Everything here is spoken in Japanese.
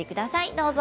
どうぞ。